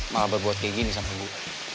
malah buat kayak gini sama gue